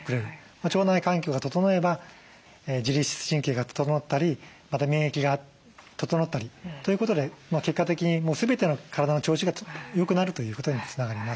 腸内環境が整えば自律神経が整ったりまた免疫が整ったりということで結果的に全ての体の調子がよくなるということにつながります。